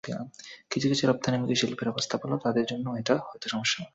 কিছু কিছু রপ্তানিমুখী শিল্পের অবস্থা ভালো, তাদের জন্য এটা হয়তো সমস্যা নয়।